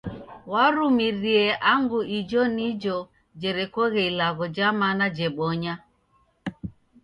Warumirie angu ijo nijo jerekoghe ilagho ja mana jebonya.